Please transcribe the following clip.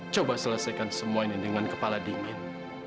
coba selesaikan semua ini dengan kepala dingin